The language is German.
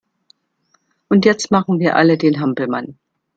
Und jetzt machen wir alle den Hampelmann!